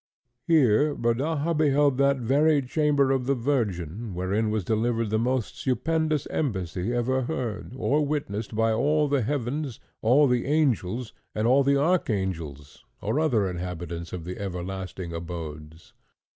Here Rodaja beheld that very chamber of the Virgin, wherein was delivered the most stupendous embassy ever heard or witnessed by all the heavens, all the angels, and all the archangels, or other inhabitants of the everlasting abodes.